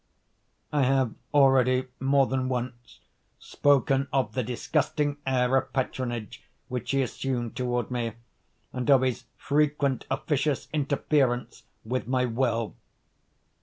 I have already more than once spoken of the disgusting air of patronage which he assumed toward me, and of his frequent officious interference with my will.